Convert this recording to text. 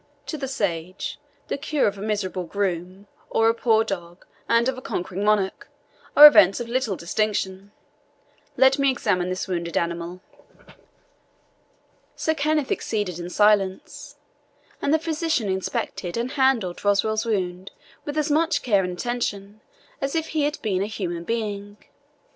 To the sage, the cure of a miserable groom, of a poor dog and of a conquering monarch, are events of little distinction. Let me examine this wounded animal." Sir Kenneth acceded in silence, and the physician inspected and handled Roswal's wound with as much care and attention as if he had been a human being.